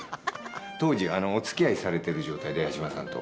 当時、おつきあいされてる状態で八嶋さんと。